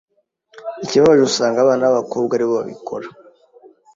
ikibabaje usanga abana b'abakobwa ari bo babikora